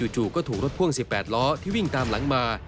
จู่ก็ถูกรถพ่วง๑๘ล้อที่วิ่งตามหลังมา